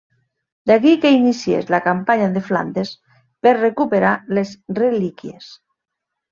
D'aquí que iniciés la campanya de Flandes per recuperar les relíquies.